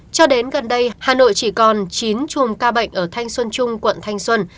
cho đến gần đây hà nội chỉ còn chín chùm ca bệnh ở thanh xuân trung quận thanh xuân